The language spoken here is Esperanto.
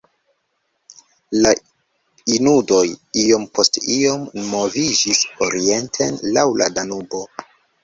La inundoj iom post iom moviĝis orienten laŭ la Danubo.